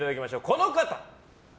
この方。